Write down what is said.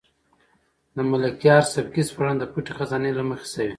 د ملکیار سبکي سپړنه د پټې خزانې له مخې شوې.